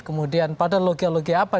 kemudian pada logiologi logi apa